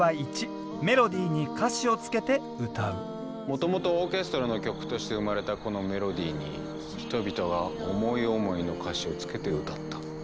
もともとオーケストラの曲として生まれたこのメロディーに人々が思い思いの歌詞をつけて歌った。